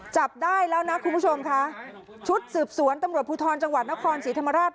จับได้แล้วนะคุณผู้ชมค่ะชุดสืบสวนตำรวจภูทรจังหวัดนครศรีธรรมราช